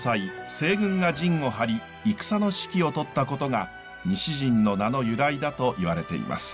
西軍が陣を張り戦の指揮をとったことが西陣の名の由来だといわれています。